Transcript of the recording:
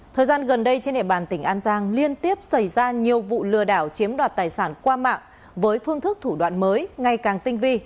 thời gian gần đây trên địa bàn tỉnh an giang liên tiếp xảy ra nhiều vụ lừa đảo chiếm đoạt tài sản qua mạng với phương thức thủ đoạn mới ngày càng tinh vi